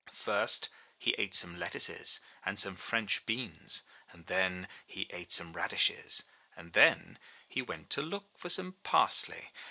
First he ate some lettuces and some French beans; and then he ate some radishes; and then he went to look for some parsley.